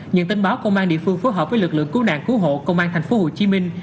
nhận tin báo công an địa phương phối hợp với lực lượng cứu nạn cứu hộ công an thành phố hồ chí minh